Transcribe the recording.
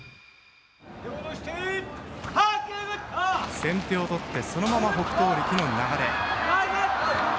先手を取ってそのまま北勝力の流れ。